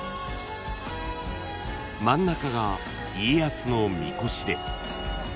［真ん中が家康のみこしで］